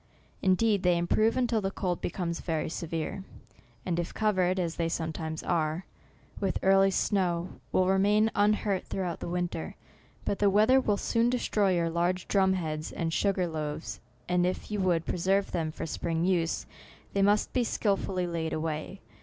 Indeed, they improve, until the cold becomes very severe, and if covered, as they some times are, with early snow, will remain un hurt throughout the winter. But the weath er will soon destroy your large drum heads and sugar loaves, and if you would preserve them for spring use, they must be skilfully laid away.